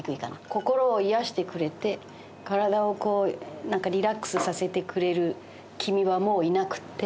心を癒やしてくれて体をこうリラックスさせてくれる君はもういなくって。